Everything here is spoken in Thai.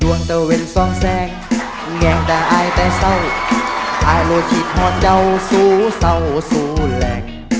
ดวงแต่เว้นซองแซงแงงแต่อายแต่เศร้าอายโลคิดหอดเยาว์สู้เศร้าสู้แหลก